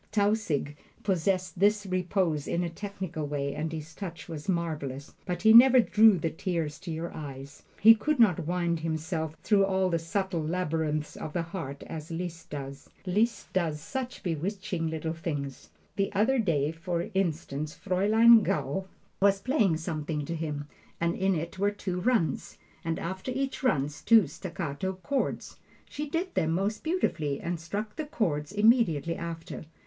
Tausig possessed this repose in a technical way, and his touch was marvelous; but he never drew the tears to your eyes. He could not wind himself through all the subtle labyrinths of the heart as Liszt does. Liszt does such bewitching little things! The other day, for instance, Fraulein Gaul was playing something to him, and in it were two runs, and after each run two staccato chords. She did them most beautifully and struck the chords immediately after.